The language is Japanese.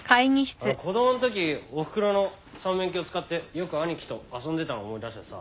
子供んときおふくろの三面鏡使ってよく兄貴と遊んでたの思い出してさ。